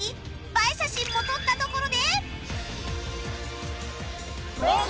映え写真も撮ったところで